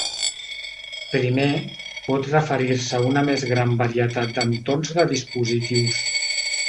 Primer, pot referir-se a una més gran varietat de entorns de dispositius.